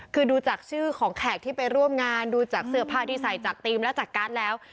คือดูจากชื่อของแขกที่ไปร่วมงานดูจากเสื้อผ้าที่ใส่จากธีมและจากการ์ดแล้ว